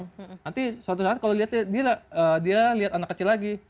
nanti suatu saat kalau dia lihat anak kecil lagi